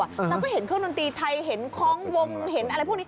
เราก็เห็นเครื่องดนตรีไทยเห็นคล้องวงเห็นอะไรพวกนี้